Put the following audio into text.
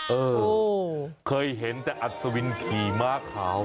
เออเคยเห็นแต่อัศวินขี่ม้าขาว